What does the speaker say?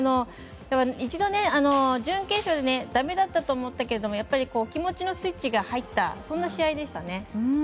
一度、準決勝でだめだったと思ったけど気持ちのスイッチが入ったそんな試合でしたね。